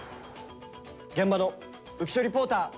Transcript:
現場の浮所リポーター。